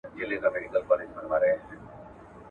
ما ویل زه به ستا ښایستې سینې ته.